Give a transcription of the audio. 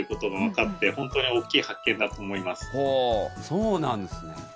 そうなんですね。